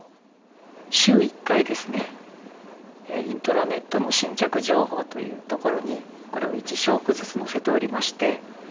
週１回ですねイントラネットの新着情報というところにこれを１章句ずつ載せておりまして。